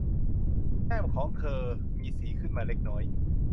แก้มของเธอ มีสีขึ้นมาเล็กน้อย